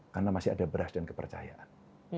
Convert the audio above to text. karena masih ada beras dan kepercayaan